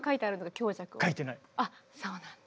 あそうなんだ。